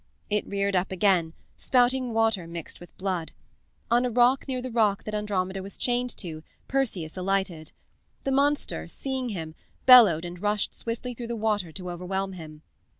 It reared up again, spouting water mixed with blood. On a rock near the rock that Andromeda was chained to Perseus alighted. The monster, seeing him, bellowed and rushed swiftly through the water to overwhelm him.